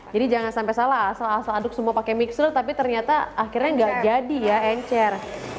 jangan sampai salah asal asal aduk semua pakai mixer tapi ternyata akhirnya nggak jadi ya encer